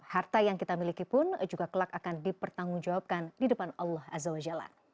harta yang kita miliki pun juga kelak akan dipertanggungjawabkan di depan allah azawajalan